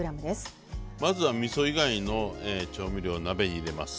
まずはみそ以外の調味料を鍋に入れます。